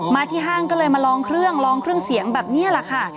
ที่ห้างก็เลยมาลองเครื่องลองเครื่องเสียงแบบนี้แหละค่ะ